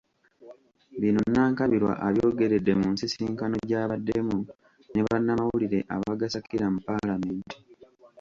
Bino Nankabirwa abyogeredde mu nsisinkano gy'abaddemu ne bannamawulire abagasakira mu paalamenti.